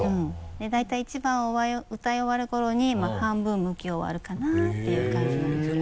で大体１番歌い終わる頃に半分剥き終わるかなっていう感じなんですけど。